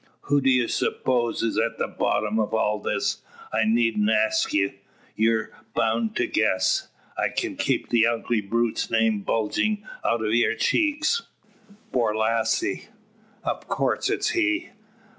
Who d'ye spose is at the bottom o' all this? I needn't ask ye; ye're boun to guess. I kin see the ugly brute's name bulgin' out yur cheeks." "Borlasse!" "In course it's he.